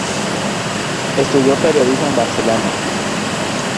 Estudió periodismo en Barcelona.